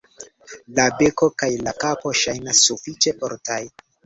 La beko kaj la kapo ŝajnas sufiĉe fortaj.